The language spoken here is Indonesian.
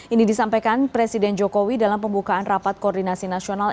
ini disampaikan presiden jokowi dalam pembukaan rapat koordinasi nasional